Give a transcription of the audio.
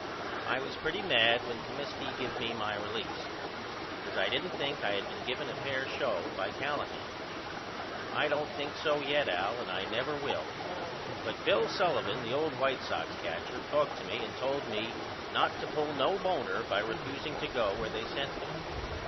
I was pretty mad when Comiskey give me my release, because I didn't think I had been given a fair show by Callahan. I don't think so yet Al and I never will but Bill Sullivan the old White Sox catcher talked to me and told me not to pull no boner by refuseing to go where they sent me.